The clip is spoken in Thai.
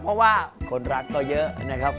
เพราะว่าคนรักก็เยอะนะครับ